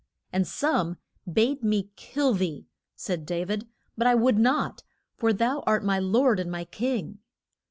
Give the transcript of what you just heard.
And some bade me kill thee, said Da vid, but I would not, for thou art my lord and my king.